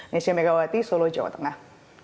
nesya megawati solo jawa tengah